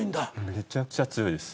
めちゃくちゃ強いです。